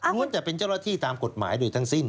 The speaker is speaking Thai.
แต่เป็นเจ้าหน้าที่ตามกฎหมายโดยทั้งสิ้น